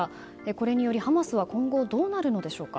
これによりハマスは今後どうなるのでしょうか。